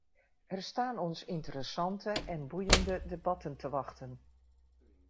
Er staan ons interessante en boeiende debatten te wachten!